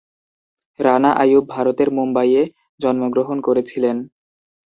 রানা আইয়ুব ভারতের মুম্বাইয়ে জন্মগ্রহণ করেছিলেন।